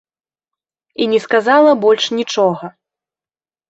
І не сказала больш нічога.